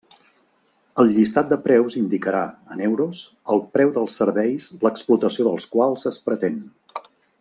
El llistat de preus indicarà, en euros, el preu dels serveis l'explotació dels quals es pretén.